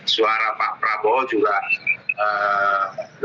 suara pak prabowo juga